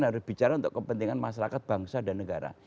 harus bicara untuk kepentingan masyarakat bangsa dan negara